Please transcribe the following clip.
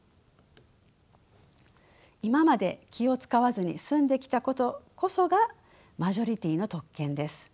今まで気を遣わずに済んできたことこそがマジョリティーの特権です。